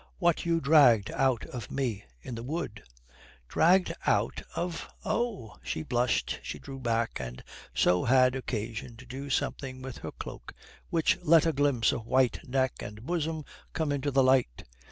"What you dragged out of me in the wood." "Dragged out of oh!" She blushed, she drew back, and so had occasion to do something with her cloak which let a glimpse of white neck and bosom come into the light.